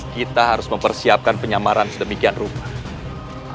kita harus mempersiapkan penyamaran sedemikian rupa